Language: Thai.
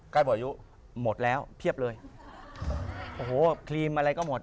บอกอายุหมดแล้วเพียบเลยโอ้โหครีมอะไรก็หมด